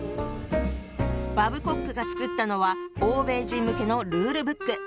バブコックが作ったのは欧米人向けのルールブック。